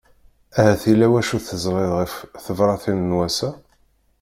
Ahat yella wacu teẓriḍ ɣef tebratin n wassa.